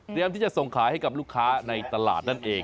ที่จะส่งขายให้กับลูกค้าในตลาดนั่นเอง